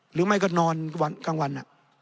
หรือไม่ก็นอนกลางวัน